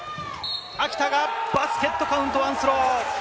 秋田がバスケットカウント、ワンスロー。